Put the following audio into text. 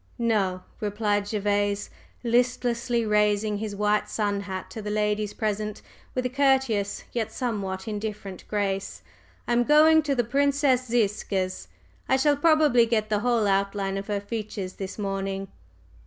"No," replied Gervase, listlessly raising his white sun hat to the ladies present with a courteous, yet somewhat indifferent grace. "I'm going to the Princess Ziska's. I shall probably get the whole outline of her features this morning."